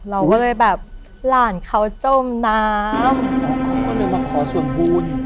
เราก็เลยแบบหลานเขาจมน้ำอ๋อเขาก็เลยรับขอส่วนบูรณ์